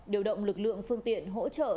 điều động lực lượng phương tiện hỗ trợ